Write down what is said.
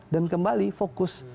dan kembali fokus